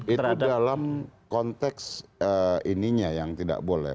itu dalam konteks ininya yang tidak boleh